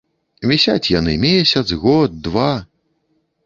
Вісяць яны месяц, год, два.